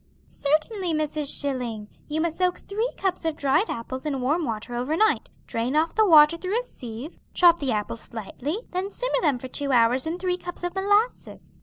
"Certainly, Mrs. Schilling. You must soak three cups of dried apples in warm water over night, drain off the water through a sieve, chop the apples slightly, them simmer them for two hours in three cups of molasses.